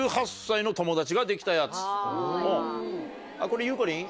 これゆうこりん？